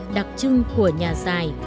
đặc trưng của nhà dài